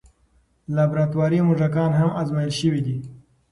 لابراتواري موږکان هم ازمویل شوي دي.